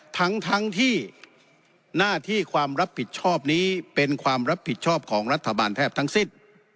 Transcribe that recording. ทั้งที่หน้าที่ความรับผิดชอบนี้เป็นความรับผิดชอบของรัฐบาลแทบทั้งสิ้น